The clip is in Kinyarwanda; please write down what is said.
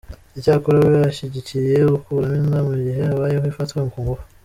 Icyakora we ashyigikiye gukuramo inda mu gihe habayeho ifatwa ku ngufu.